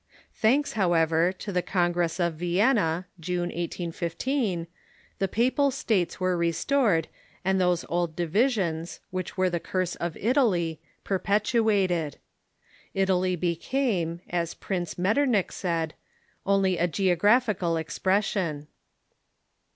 Thanks, however, to the Congress of Vienna (June, 1815), the Papal States were restored and those old divisions, which were the curse of Italy, perpetuated, Italy became, as Prince Metternich said, only a geographical expression.